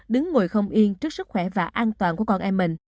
đứng ngồi không yên trước sức khỏe và an toàn của con em mình